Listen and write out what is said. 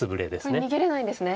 これ逃げれないんですね。